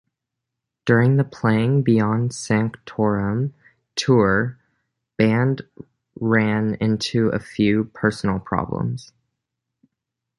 During the playing "Beyond Sanctorum" tour, band ran into a few personnel problems.